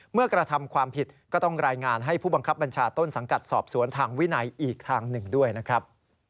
กระทำความผิดก็ต้องรายงานให้ผู้บังคับบัญชาต้นสังกัดสอบสวนทางวินัยอีกทางหนึ่งด้วยนะครับ